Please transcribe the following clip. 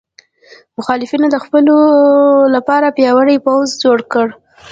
د مخالفینو د ځپلو لپاره پیاوړی پوځ جوړ کړ.